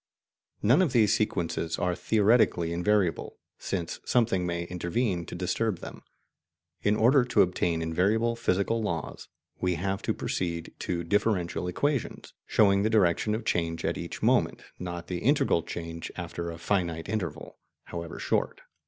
None of these sequences are theoretically invariable, since something may intervene to disturb them. In order to obtain invariable physical laws, we have to proceed to differential equations, showing the direction of change at each moment, not the integral change after a finite interval, however short.